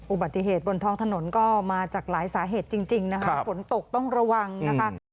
อุบัติเหตุบนท้องถนนก็มาจากหลายสาเหตุจริงนะคะฝนตกต้องระวังนะคะ